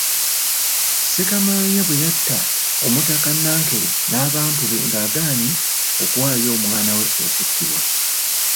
Ssekamaanya bwe yatta omutaka Nnankere n'abantu be ng'agaanyi okuwaayo omwana we okuttibwa.